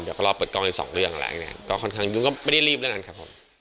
เดี๋ยวก็ลองเปิดกลางเอาไป๒เรื่อง